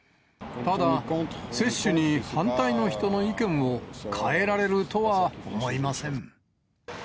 ただ、接種に反対の人の意見を変えられるとは思いません。